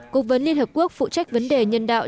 cố vấn liên hợp quốc phụ trách vấn đề nhân đạo